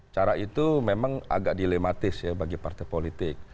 cara itu memang agak dilematis ya bagi partai politik